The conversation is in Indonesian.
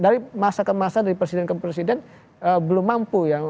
dari masa ke masa dari presiden ke presiden belum mampu ya